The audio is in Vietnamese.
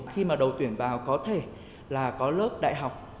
khi mà đầu tuyển vào có thể là có lớp đại học